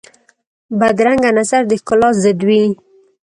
بدرنګه نظر د ښکلا ضد وي